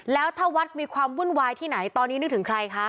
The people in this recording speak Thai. แล้วถ้าวัดมีความวุ่นวายที่ไหนตอนนี้นึกถึงใครคะ